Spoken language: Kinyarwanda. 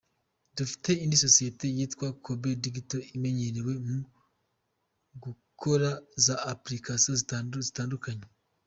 Dufite indi sosiyete yitwa Kobe Digital imenyerewe mu gukora za applications zitandukanye.